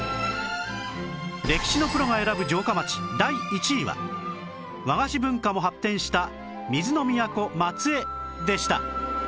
歴史のプロが選ぶ城下町第１位は和菓子文化も発展した水の都松江でした